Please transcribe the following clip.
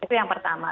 itu yang pertama